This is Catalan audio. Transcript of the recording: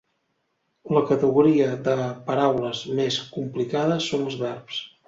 La categoria de paraules més complicada són els verbs.